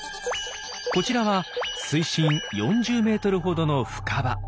こちらは水深４０メートルほどの深場。